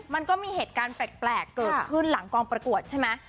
มันก็มีเหตุการณ์แปลกเกิดขึ้นหลังกองประกวดใช่ไหม